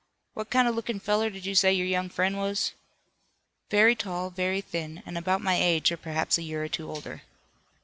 What kind of lookin' feller did you say your young friend was?" "Very tall, very thin, and about my age or perhaps a year or two older."